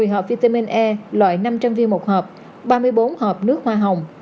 một mươi hộp vitamin e loại năm trăm linh viên một hộp ba mươi bốn hộp nước hoa hồng